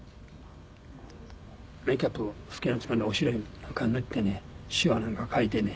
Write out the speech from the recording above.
メーキャップを老けのつもりでおしろいなんか塗ってねシワなんか描いてね